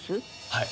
はい。